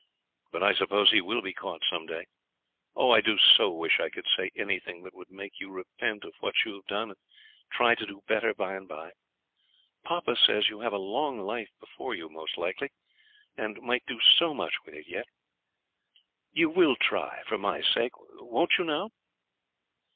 But I suppose he will be caught some day. Oh, I do so wish I could say anything that would make you repent of what you have done, and try and do better by and by. Papa says you have a long life before you most likely, and might do so much with it yet. You will try, for my sake; won't you now?'